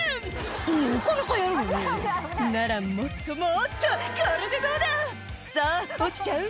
「なかなかやるわねならもっともっとこれでどうだ！」「さぁ落ちちゃう？